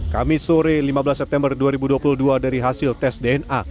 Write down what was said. kami sore lima belas september dua ribu dua puluh dua dari hasil tes dna